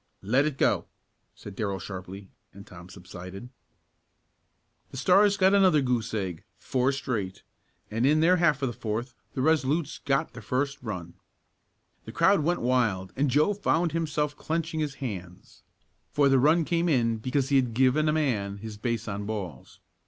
"Let it go!" said Darrell sharply, and Tom subsided. The Stars got another goose egg four straight and in their half of the fourth the Resolutes got their first run. The crowd went wild and Joe found himself clenching his hands, for the run came in because he had given a man his base on balls.